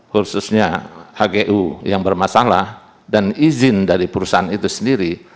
khususnya hgu yang bermasalah dan izin dari perusahaan itu sendiri